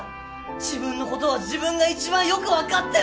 自分のことは自分が一番よく分かってる！